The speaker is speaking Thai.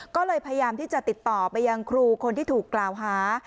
ก็เลยพยายามที่จะติดต่อไปยังครูคนที่ถูกกล่าวหา